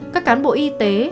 các cán bộ y tế